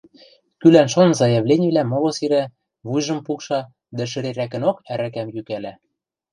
Кӱлӓн-шон заявленийвлӓм моло сирӓ, вуйжым пукша дӓ шӹрерӓкӹнок ӓрӓкӓм йӱкӓлӓ.